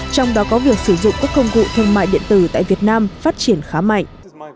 trong đó có việc sử dụng các công cụ thương mại điện tử tại việt nam phát triển khá mạnh